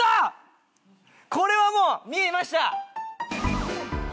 これはもう見えました！